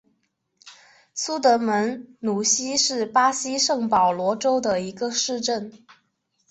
苏德门努西是巴西圣保罗州的一个市镇。